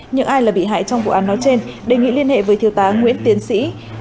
những ai là bị hại trong vụ án nói trên đề nghị liên hệ với thiếu tá nguyễn tiến sĩ